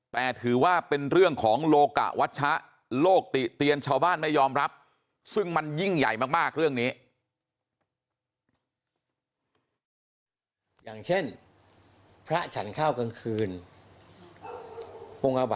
แปลถือว่าเป็นเรื่องของโลกะวัชชะโลกเตียนชาวบ้านไม่ยอมรับ